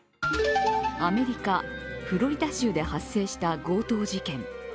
アメリカ・フロリダ州で発生した強盗事件。